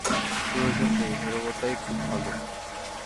প্রয়োজন নেই, নিরবতাই খুব ভালো।